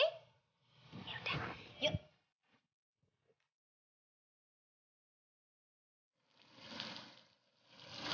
ya udah yuk